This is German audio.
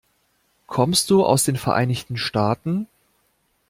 Kommst du aus den Vereinigten Staaten?